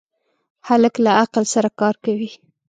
هلک له عقل سره کار کوي.